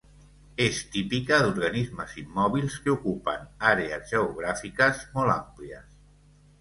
És típica d'organismes immòbils que ocupen àrees geogràfiques molt àmplies.